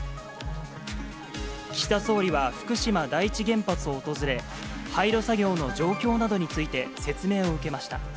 岸田総理は福島第一原発を訪れ、廃炉作業の状況などについて説明を受けました。